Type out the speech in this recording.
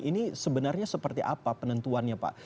ini sebenarnya seperti apa penentuannya pak